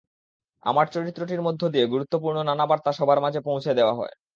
আমার চরিত্রটির মধ্য দিয়ে গুরুত্বপূর্ণ নানা বার্তা সবার মাঝে পৌঁছে দেওয়া হয়।